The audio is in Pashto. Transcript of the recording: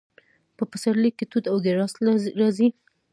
په پسرلي کې توت او ګیلاس راځي.